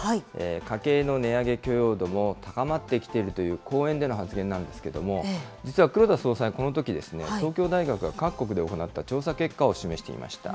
家計の値上げ許容度も高まってきているという講演での発言なんですけども、実は黒田総裁、このとき、東京大学が各国で行った調査結果を示していました。